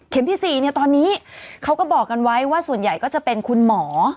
ที่๔ตอนนี้เขาก็บอกกันไว้ว่าส่วนใหญ่ก็จะเป็นคุณหมอ